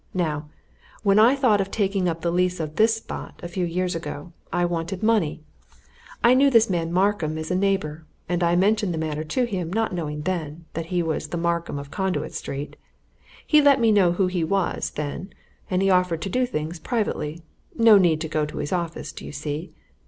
Now, when I thought of taking up the lease of this spot, a few years ago, I wanted money. I knew this man Markham as a neighbour, and I mentioned the matter to him, not knowing then he was the Markham of Conduit Street. He let me know who he was, then, and he offered to do things privately no need to go to his office, do you see?